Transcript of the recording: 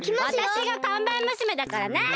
わたしが看板娘だからね！